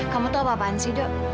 kamu tau apaan sih do